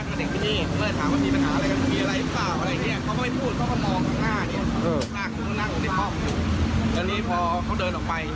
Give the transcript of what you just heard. คนเด็กพี่นี่เมื่อถามว่ามีปัญหาอะไรกันมีอะไรเปล่าอะไรอย่างเงี้ย